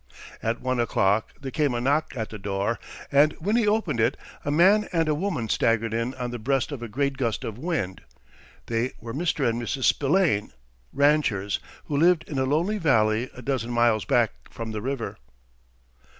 At one o'clock there came a knock at the door, and when he opened it a man and a woman staggered in on the breast of a great gust of wind. They were Mr. and Mrs. Spillane, ranchers, who lived in a lonely valley a dozen miles back from the river.